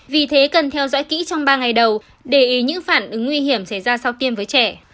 vì thế cần theo dõi kỹ trong ba ngày đầu để ý những phản ứng nguy hiểm xảy ra sau tiêm với trẻ